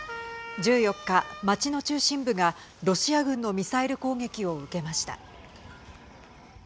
１４日、町の中心部がロシア軍のミサイル攻撃を受けました。